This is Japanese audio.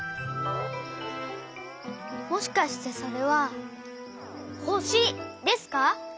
もしかしてそれはほしですか？